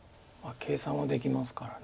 計算はできますから。